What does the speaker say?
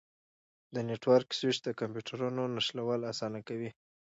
د نیټورک سویچ د کمپیوټرونو نښلول اسانه کوي.